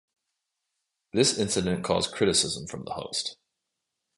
This incident caused criticism from the host.